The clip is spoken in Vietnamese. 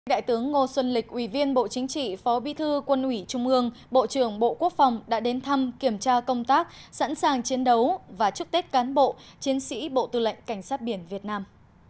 đại tướng ngô xuân lịch ủy viên bộ chính trị phó bi thư quân ủy trung ương bộ trưởng bộ quốc phòng đã đến thăm kiểm tra công tác sẵn sàng chiến đấu và chúc tết cán bộ chiến sĩ bộ tư lệnh cảnh sát biển việt nam